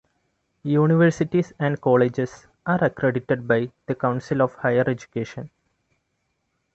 Universities and colleges are accredited by the Council on Higher Education.